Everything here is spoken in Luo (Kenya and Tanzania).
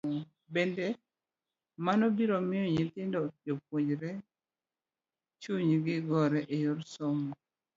Bende, mano biro miyo nyithindo jopuonjre chunygi gore e yor somo.